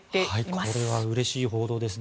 これはうれしい報道ですね。